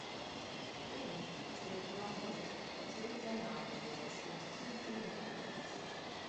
Green has been nominated for three Gemini Awards and two Genie Awards.